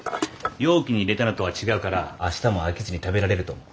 容器に入れたのとは違うから明日も飽きずに食べられると思う。